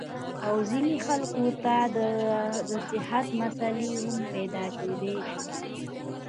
او ځينې خلکو ته د صحت مسئلې هم پېدا کېدے شي -